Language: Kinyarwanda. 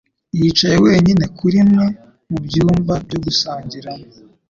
yicaye wenyine kuri kimwe mu byumba byo gusangiriramo.